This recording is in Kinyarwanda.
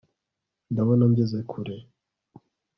ndabona ngeze kure